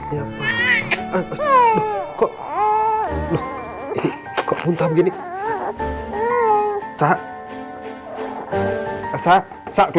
walaupun mama gak ada buat kamu